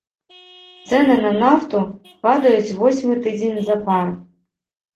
Цэны на нафту падаюць восьмы тыдзень запар.